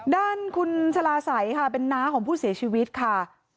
ด้านคุณชาลาศัยค่ะเป็นน้าของผู้เสียชีวิตค่ะ